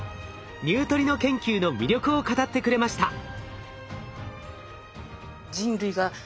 ニュートリノ研究の魅力を語ってくれました。